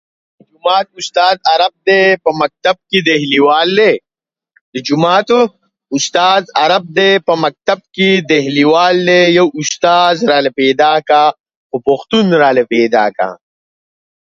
Scottish Freemasonry has a distinct and unique character.